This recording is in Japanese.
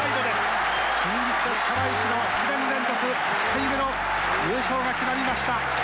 新日鉄釜石の７年連続８回目の優勝が決まりました。